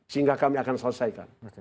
sehingga kami akan selesaikan